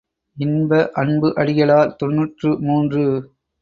இன்ப அன்பு அடிகளார் தொன்னூற்று மூன்று.